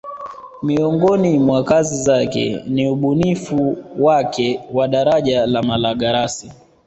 Miongoni mwa kazi zake ni ubunifu wake wa daraja la Malagarasi